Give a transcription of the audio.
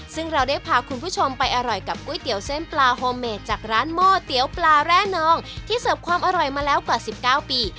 ซึ่งเราได้พาคุณผู้ชมไปอร่อยกับก๋วยเตี๋ยวเส้นปลาโฮเมดจากร้านหม้อเตี๋ยวปลาแร่นองที่เสิร์ฟความอร่อยมาแล้วกว่า๑๙ปี